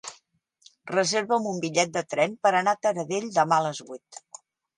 Reserva'm un bitllet de tren per anar a Taradell demà a les vuit.